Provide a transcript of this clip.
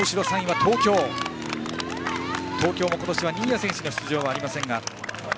東京も今年は新谷選手の出場がありませんが。